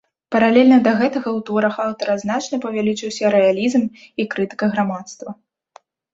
Паралельна да гэтага ў творах аўтара значна павялічыўся рэалізм і крытыка грамадства.